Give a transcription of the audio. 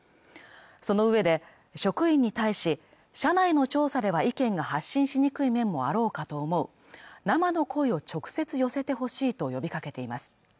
そのうえで職員に対し社内の調査では意見が発信しにくい面もあろうかと思う生の声を直接寄せてほしいと呼びかけています